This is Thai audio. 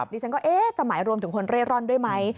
ดิฉันก็เอ๊ะจะหมายรวมถึงคนเร่ร่อนด้วยไหม